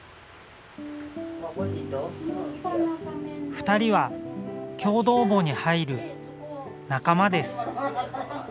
２人は共同墓に入る仲間です。